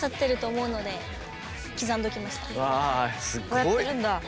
こうやってるんだ。